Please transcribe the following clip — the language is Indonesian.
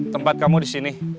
tempat kamu di sini